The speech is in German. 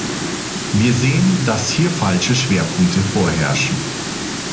Wir sehen, dass hier falsche Schwerpunkte vorherrschen.